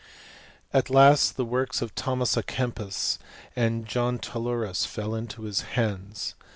At last the works of Tliomas k Kempis, and John Taulerus fell into his hands.